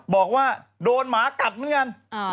บอกว่าโดนหมากัดเหมือนกัน